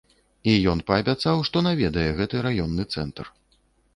І ён паабяцаў, што наведае гэты раённы цэнтр.